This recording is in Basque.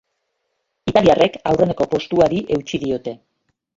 Italiarrek aurreneko postuari eutsi diote.